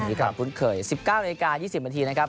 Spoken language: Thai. ความคุ้นเคย๑๙นาฬิกา๒๐นาทีนะครับ